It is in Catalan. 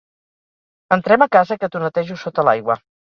Entrem a casa que t'ho netejo sota l'aigua.